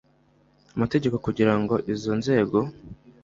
amategeko kugira ngo izo nzego